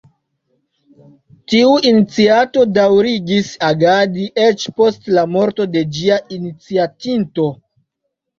Tiu iniciato daŭrigis agadi eĉ post la morto de ĝia iniciatinto.